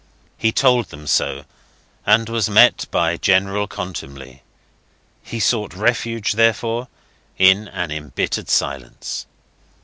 He told them so, and was met by general contumely. He sought refuge, therefore, in an embittered silence.